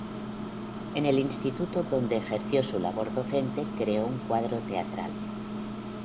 En el instituto donde ejerció su labor docente creó un cuadro teatral.